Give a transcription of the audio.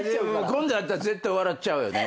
今度あったら絶対笑っちゃうよね。